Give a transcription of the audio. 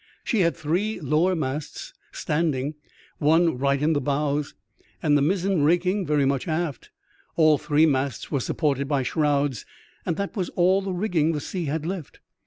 She had three lower masts standing — one right in the bows, and the mizzen raking very much aft. All three masts were supported by shrouds, and that was all the rigging the sea had left.